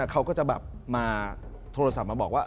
เขาก็จะแบบมาโทรศัพท์มาบอกว่า